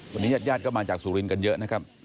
วันนี้ญาติญาติก็มาจากสุรินทร์กันเยอะนะครับ